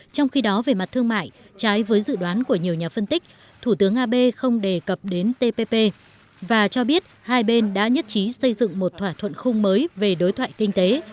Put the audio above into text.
trong khi đó về mặt thương mại trái với dự đoán của nhiều nhà phân tích thủ tướng abe không đề cập đến tpp và cho biết hai bên đã nhất trí xây dựng một thỏa thuận khung mới về đối thoại kinh tế